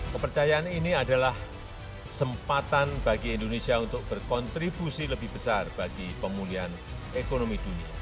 kepercayaan ini adalah kesempatan bagi indonesia untuk berkontribusi lebih besar bagi pemulihan ekonomi dunia